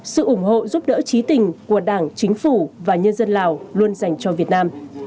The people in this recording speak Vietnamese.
sự ủng hộ giúp đỡ trí tình của đảng chính phủ và nhân dân lào luôn dành cho việt nam